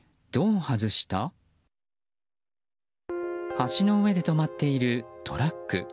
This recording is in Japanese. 橋の上で止まっているトラック。